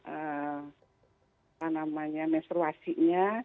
apa namanya menstruasinya